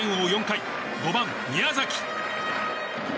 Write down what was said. ４回５番、宮崎。